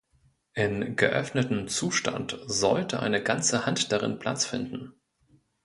In geöffnetem Zustand sollte eine ganze Hand darin Platz finden.